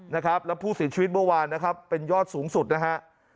แล้วผู้สิทธิ์ชีวิตบ้วนนะครับเป็นยอดสูงสุดนะฮะ